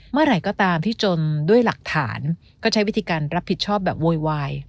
เมื่อไหร่ก็ตามที่จนด้วยหลักฐานก็ใช้วิธีการรับผิดชอบแบบโวยวาย